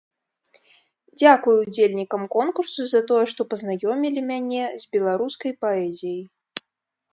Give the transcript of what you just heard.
Дзякуй ўдзельнікам конкурсу за тое, што пазнаёмілі мяне з беларускай паэзіяй.